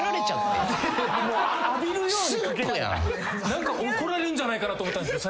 何か怒られるんじゃないかなと思ったんですよ